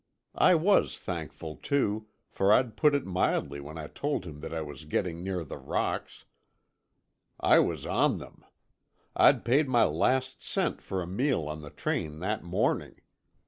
I was thankful, too, for I'd put it mildly when I told him that I was getting near the rocks. I was on them. I'd paid my last cent for a meal on the train that morning.